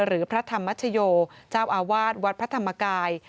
หรือพระธรรมชโยเจ้าอาวาสวัดพระธรรมกาย